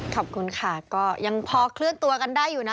ขอบคุณค่ะก็ยังพอเคลื่อนตัวกันได้อยู่นะ